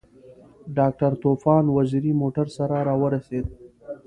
ډاکټر طوفان وزیری موټر سره راورسېد.